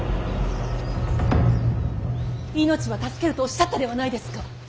命は助けるとおっしゃったではないですか。